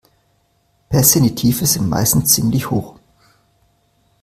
Pässe in die Tiefe sind meistens ziemlich hoch.